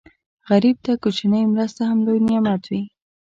غریب ته کوچنۍ مرسته هم لوی نعمت وي